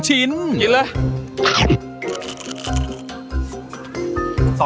กินเลย